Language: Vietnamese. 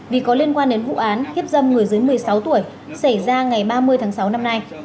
vì có liên quan đến vụ án hiếp dâm người dưới một mươi sáu tuổi xảy ra ngày ba mươi tháng sáu năm nay